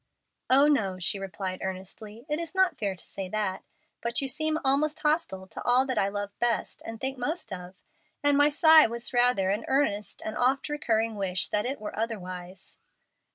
"Oh, no," she replied, earnestly; "it is not fair to say that. But you seem almost hostile to all that I love best and think most of, and my sigh was rather an earnest and oft recurring wish that it were otherwise."